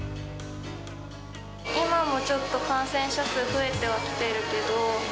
今もちょっと感染者数、増えてはきているけど、